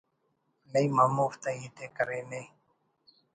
نعیم ہموفتا ہیت ءِ کرینے